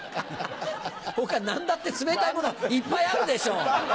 他何だって冷たいものいっぱいあるでしょう！